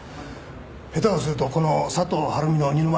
下手をするとこの佐藤晴美の二の舞だ。